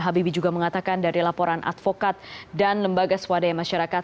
habibie juga mengatakan dari laporan advokat dan lembaga swadaya masyarakat